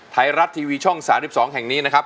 ไทยรัฐทีวีช่อง๓๒แห่งนี้นะครับ